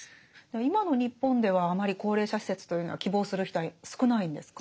今の日本ではあまり高齢者施設というのは希望する人は少ないんですか？